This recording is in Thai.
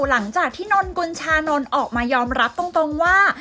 หลังจากที่นนกุญชานนท์ออกมายอมรับตรงว่า